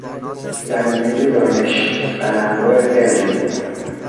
زمینهی دانش، قلمرو علم